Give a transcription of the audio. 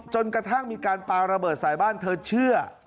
จนกระทั่งมีการปาระเบิดใส่บ้านเธอเชื่อ